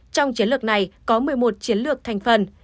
trong chiến lược này có một mươi một chiến lược thành phần